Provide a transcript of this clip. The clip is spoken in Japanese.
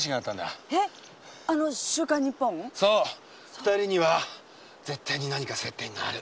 ２人には絶対に何か接点がある。